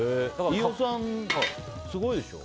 飯尾さん、すごいでしょ？